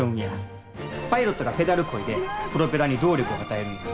パイロットがペダルこいでプロペラに動力を与えるんや。